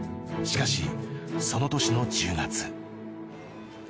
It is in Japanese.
しかしその年の１０月。